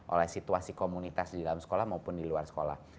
oleh situasi komunitas di dalam sekolah maupun di luar sekolah